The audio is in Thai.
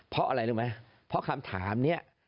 เพราะอะไรรู้ไหมเพราะคำถามนี้